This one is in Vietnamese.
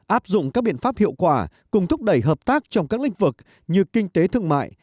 áp dụng các biện pháp hiệu quả cùng thúc đẩy hợp tác trong các lĩnh vực như kinh tế thương mại